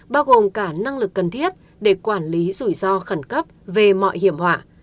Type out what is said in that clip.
bao gồm cả năng lực cần thiết để quản lý rủi ro khẩn cấp về mọi hiểm họa